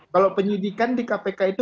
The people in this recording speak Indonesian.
kalau penyidikan di kpk itu